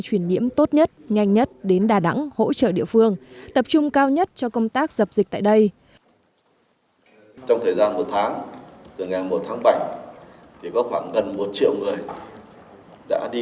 truyền nhiễm tốt nhất nhanh nhất đến đà nẵng hỗ trợ địa phương tập trung cao nhất cho công tác dập dịch tại đây